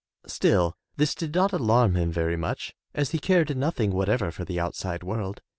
Still, this did not alarm him very much as he cared nothing whatever for the outside world.